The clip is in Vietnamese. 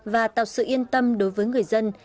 và tạo sự yên tâm đối với người dân